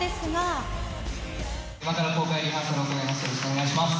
お願いします。